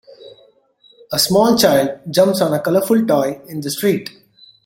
A small child jumps on a colorful toy in the street.